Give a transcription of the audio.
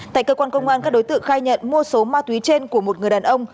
tại cơ quan công an các đối tượng khai nhận mua số ma túy trên của một người đàn ông